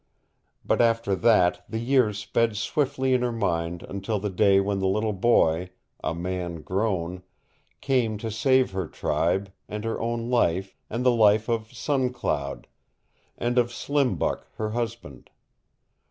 But after that the years sped swiftly in her mind until the day when the little boy a man grown came to save her tribe, and her own life, and the life of Sun Cloud, and of Slim Buck her husband.